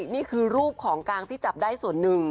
นี่คือรูปของกลางที่จับได้ส่วนหนึ่ง